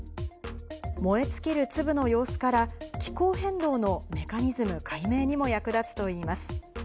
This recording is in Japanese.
燃え尽きる粒の様子から、気候変動のメカニズム解明にも役立つといいます。